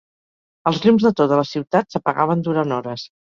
Els llums de tota la ciutat s'apagaven durant hores